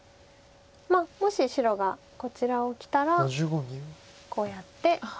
まあもし白がこちらをきたらこうやって。